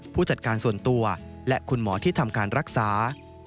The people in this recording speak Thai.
ผู้จัดการส่วนตัวและคุณหมอที่ทำการรักษา